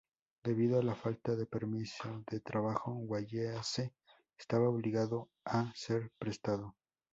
Debido a la falta de permiso de trabajo, Wallace estaba obligado a ser prestado.